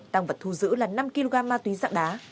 tăng vật thu giữ là năm kg ma túy dạng đá